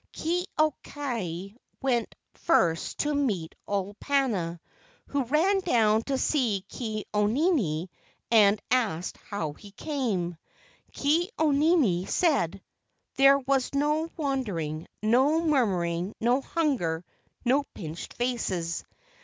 Ke au kai went first to meet Olopana, who ran down to see Ke au nini and asked how he came. Ke au nini said, "There was no wandering, no murmuring, no hunger, no pinched faces."